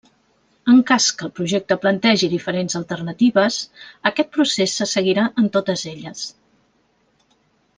En cas que el projecte plantegi diferents alternatives, aquest procés se seguirà en totes elles.